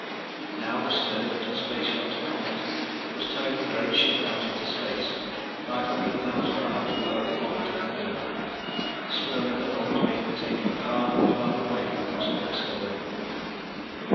Now the sturdy little space yacht, Comet, was towing the great ship out into space, 500,000 miles beyond the orbit of the Moon. Slowly the hull was being taken farther and farther away from possible discovery.